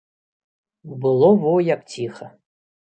Было во як ціха!